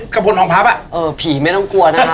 กะบลองพับอ่ะผีไม่ต้องกลัวนะ